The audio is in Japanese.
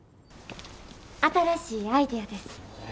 新しいアイデアです。